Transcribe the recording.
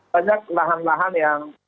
banyak lahan lahan yang